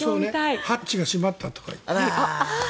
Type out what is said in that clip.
ハッチが閉まったとか言って。